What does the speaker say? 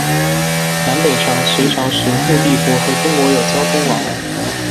南北朝、隋朝时戊地国和中国有交通往来。